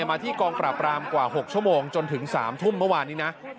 มาที่กองปราบรามกว่า๖ชั่วโมงจนถึง๓ทุ่มเมื่อวานนี้นะ